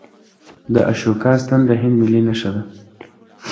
د اشوکا ستن د هند ملي نښه ده.